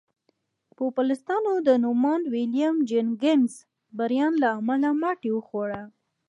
پوپلستانو د نوماند ویلیم جیننګز بریان له امله ماتې وخوړه.